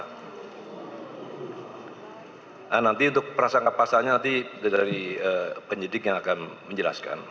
nah nanti untuk prasangka pasalnya nanti dari penyidik yang akan menjelaskan